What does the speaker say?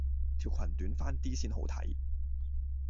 條群短翻啲先好睇